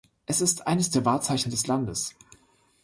Es ist eines der Wahrzeichen des Landes.